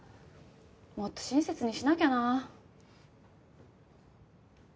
もっと親切にしなきゃな。